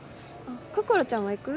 心音ちゃんも行く？